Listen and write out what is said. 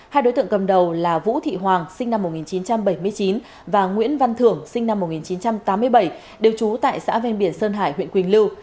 hai đối tượng cầm đầu là vũ thị hoàng sinh năm một nghìn chín trăm bảy mươi chín và nguyễn văn thưởng sinh năm một nghìn chín trăm tám mươi bảy đều trú tại xã ven biển sơn hải huyện quỳnh lưu